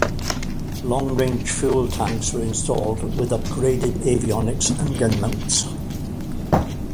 Long range fuel tanks were installed with upgraded avionics and gun mounts.